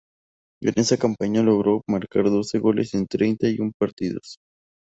En esa campaña logró marcar doce goles en treinta y un partidos.